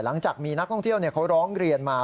หลังจากมีนักท่องเที่ยวเขาร้องเรียนมา